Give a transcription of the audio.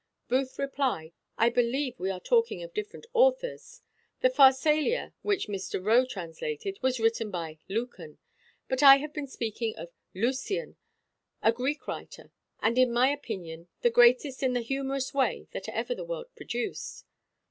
Booth replied, "I believe we are talking of different authors. The Pharsalia, which Mr. Rowe translated, was written by Lucan; but I have been speaking of Lucian, a Greek writer, and, in my opinion, the greatest in the humorous way that ever the world produced."